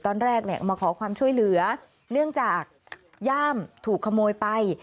ตอนแรกเนี่ยมาขอความช่วยเหลือเนื่องจากย่ามถูกขโมยไป